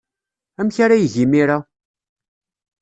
Amek ara yeg imir-a?